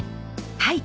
はい。